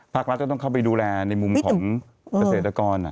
รัฐก็ต้องเข้าไปดูแลในมุมของเกษตรกร